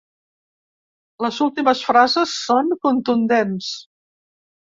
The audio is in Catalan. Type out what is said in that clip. Les últimes frases són contundents.